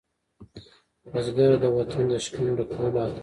بزګر د وطن د شکم ډکولو اتل دی